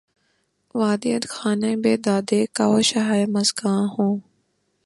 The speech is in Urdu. ودیعت خانۂ بیدادِ کاوشہائے مژگاں ہوں